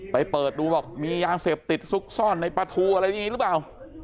เปิดดูบอกมียาเสพติดซุกซ่อนในปลาทูอะไรอย่างนี้หรือเปล่า